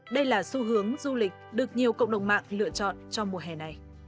đây là xu hướng du lịch được nhiều cộng đồng mạng lựa chọn cho mùa hè này